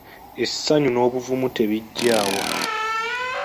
Essanyu n’obuvumu tubiggya wa?